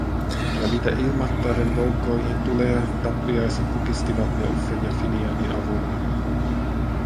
Ja mitä Ilmattaren joukkoihin tulee, tappiaiset kukistivat ne Uffen ja Finianin avulla.